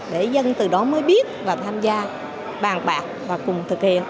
để dân từ đó mới biết và tham gia bàn bạc và cùng thực hiện